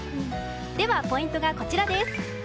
ポイントがこちらです。